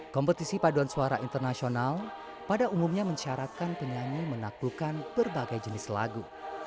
kompetisi paduan suara internasional pada umumnya mensyaratkan penyanyi menaklukkan berbagai jenis lagu